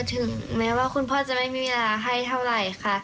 ถึงแม้ว่าคุณพ่อจะไม่มีเวลาให้เท่าไหร่ค่ะ